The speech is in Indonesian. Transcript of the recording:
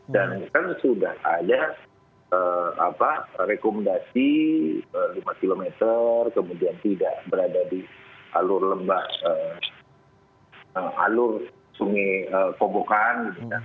dan kan sudah ada rekomendasi lima km kemudian tidak berada di alur lembah alur sungai kobokan